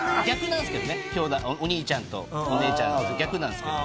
お兄ちゃんとお姉ちゃん逆なんすけど。